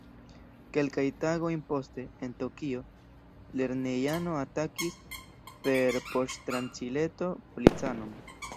Kelkajn tagojn poste, en Tokio, lernejano atakis per poŝtranĉileto policanon.